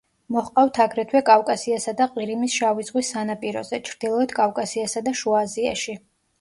მოჰყავთ აგრეთვე კავკასიასა და ყირიმის შავი ზღვის სანაპიროზე, ჩრდილოეთ კავკასიასა და შუა აზიაში.